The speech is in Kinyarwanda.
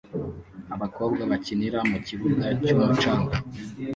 Abakobwa bakinira mukibuga cyumucanga